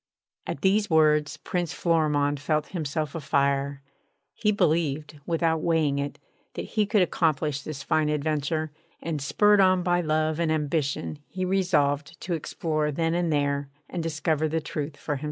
At these words Prince Florimond felt himself a fire. He believed, without weighing it, that he could accomplish this fine adventure; and, spurred on by love and ambition, he resolved to explore then and there and discover the truth for himself.